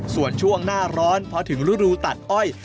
ส่วนช่วงหน้าร้อนเพราะถึงรู้ตัดอ้อย